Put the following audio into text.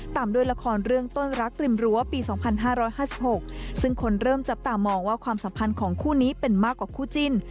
ตามด้วยละครเรื่องต้นรักริมรั้วปี๒๕๕๖ซึ่งคนเริ่มจับตามองว่าความสัมพันธ์ของคู่นี้เป็นมากกว่าคู่จิ้น